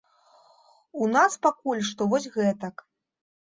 У нас пакуль што вось гэтак.